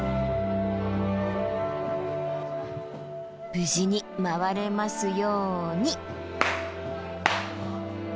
無事に回れますように。